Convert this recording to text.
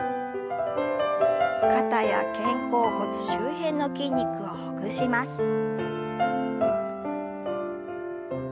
肩や肩甲骨周辺の筋肉をほぐします。